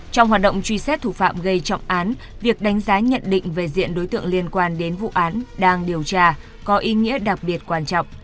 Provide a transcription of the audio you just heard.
trong hoạt động truy xét thủ phạm gây trọng án việc đánh giá nhận định về diện đối tượng liên quan đến vụ án đang điều tra có ý nghĩa đặc biệt quan trọng